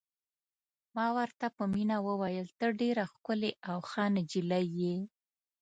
ما ورته په مینه وویل: ته ډېره ښکلې او ښه نجلۍ یې.